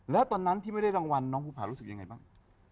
แล้วตอนนั้นที่ไม่ได้รางวัลน้องภูผารู้สึกยังไงบ้าง